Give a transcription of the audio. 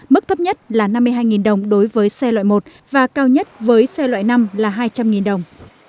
mức thấp nhất là năm mươi hai đồng đối với xe loại một và cao nhất với xe loại năm là hai trăm linh đồng